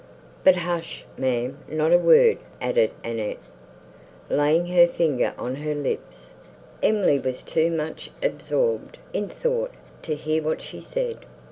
But hush, ma'am, not a word!" added Annette, laying her finger on her lips. Emily was too much absorbed in thought, to hear what she said.